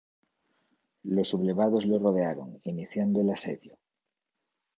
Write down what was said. Los sublevados lo rodearon, iniciando el asedio.